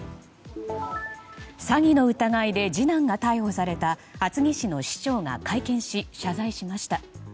詐欺の疑いで次男が逮捕された厚木市の市長が会見し謝罪しました。